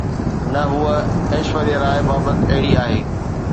ته هوءَ ايشوريا راءِ بابت اهڙي آهي